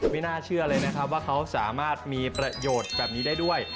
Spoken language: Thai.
ไม่น่าเชื่อเลยนะครับว่าเขาสามารถมีประโยชน์แบบนี้ได้ด้วย